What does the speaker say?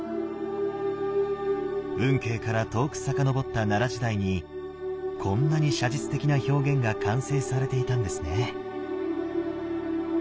運慶から遠く遡った奈良時代にこんなに写実的な表現が完成されていたんですね。